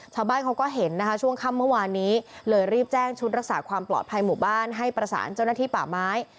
ชาวบ้านเขาก็เห็นนะคะช่วงค่ำเมื่อวานนี้เลยรีบแจ้งชุดรักษาความปลอดภัยหมู่บ้านให้ประสานเจ้าหน้าที่ป่าไม้